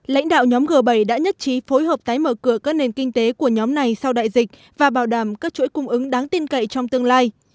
lãnh đạo nhóm g bảy đã nhất trí phối hợp tái mở cửa các nền kinh tế của nhóm này sau đại dịch và bảo đảm các chuỗi cung ứng đáng tin cậy trong tương lai